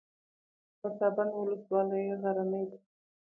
پسابند ولسوالۍ غرنۍ ده؟